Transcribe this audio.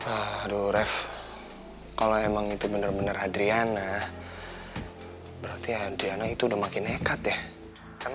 aduh ref kalau emang itu bener bener adriana berarti adriana itu udah makin nekat ya karena